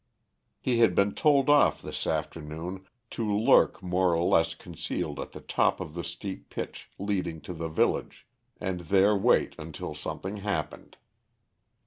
He had been told off this afternoon to lurk more or less concealed at the top of the steep pitch leading to the village, and there wait until something happened.